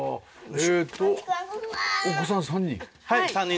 えっとお子さん３人？